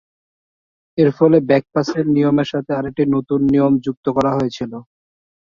এর ফলে, ব্যাক-পাসের নিয়মের সাথে আরেকটি নতুন নিয়ম যুক্ত করা হয়েছিল।